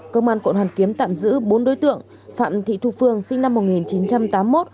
công an quận hoàn kiếm tạm giữ bốn đối tượng phạm thị thu phương sinh năm một nghìn chín trăm tám mươi một